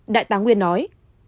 đại tá nguyên nói